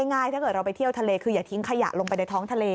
ถ้าเกิดเราไปเที่ยวทะเลคืออย่าทิ้งขยะลงไปในท้องทะเล